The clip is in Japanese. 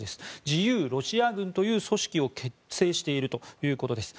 自由ロシア軍という組織を結成しているということです。